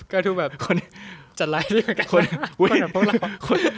ก็ดูแบบจัดไลฟ์ด้วยเหมือนกัน